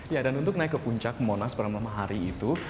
ya dan untuk naik ke puncak monas pada malam hari itu